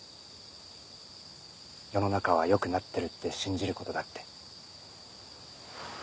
世の中は良くなってるって信じることだって。